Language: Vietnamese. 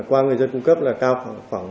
qua người dân cung cấp là cao khoảng